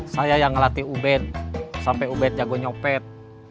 saya yang ngelatih ubed sampai ubed jago nyopet